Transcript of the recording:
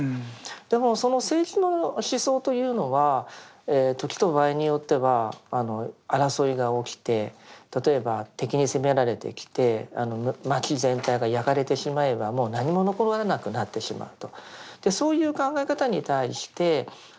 でもその政治の思想というのは時と場合によっては争いが起きて例えば敵に攻められてきて町全体が焼かれてしまえばもう何も残らなくなってしまうと。